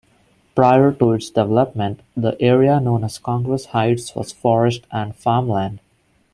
Prior to its development, the area known as Congress Heights was forest and farmland.